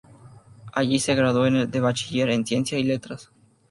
Allí se graduó de en bachiller en Ciencia y Letras.